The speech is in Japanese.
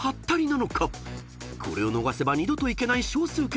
［これを逃せば二度と行けない少数決。